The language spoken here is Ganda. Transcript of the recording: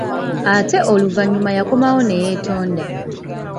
Ate oluvannyuma yakomawo neyeetonda.